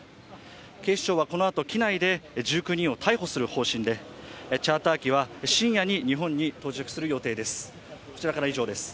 警視庁は、このあと機内で１９人を逮捕する方針でチャーター機は深夜に日本に到着する予定です。